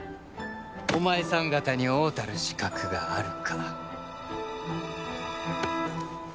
お前さん方に王たる資格があるか。